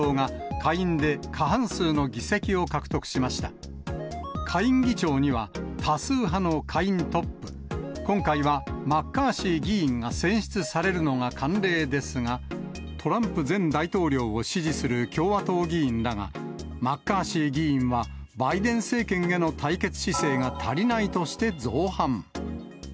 下院議長には、多数派の下院トップ、今回はマッカーシー議員が選出されるのが慣例ですが、トランプ前大統領を支持する共和党議員らが、マッカーシー議員はバイデン政権への対決姿勢が足りないとして造反。